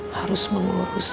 harus mengurus eda